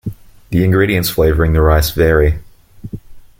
The ingredients flavoring the rice vary.